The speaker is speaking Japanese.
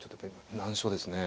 難所ですね。